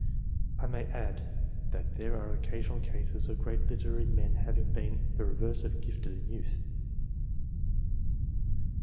I may add, that there are occasional cases of great literary men having been the reverse of gifted in youth.